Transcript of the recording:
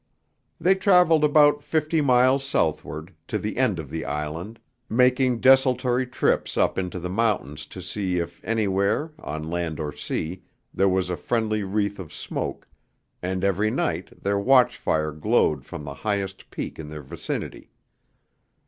They traveled about fifty miles southward, to the end of the island, making desultory trips up into the mountains to see if anywhere, on land or sea, there was a friendly wreath of smoke, and every night their watch fire glowed from the highest peak in their vicinity.